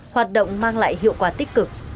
hoạt động mang lại hiệu quả tích cực